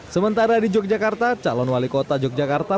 sementara di yogyakarta calon wali kota yogyakarta